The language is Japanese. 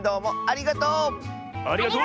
ありがとう！